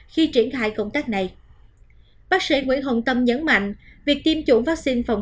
khi triển khai công tác này bác sĩ nguyễn hồng tâm nhấn mạnh việc tiêm chủng vaccine phòng